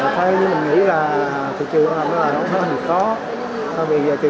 thay như mình nghĩ là thị trường làm đó không hề khó